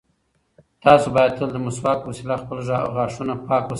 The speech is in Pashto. تاسو باید تل د مسواک په وسیله خپل غاښونه پاک وساتئ.